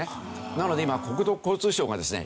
なので今は国土交通省がですね